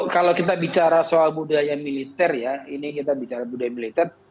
kalau kita bicara soal budaya militer ya ini kita bicara budaya militer